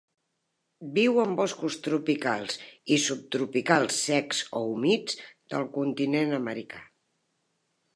Viu en boscos tropicals i subtropicals secs o humits del continent americà.